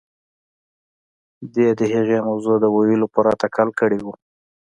دې د هغې موضوع د ويلو پوره تکل کړی و.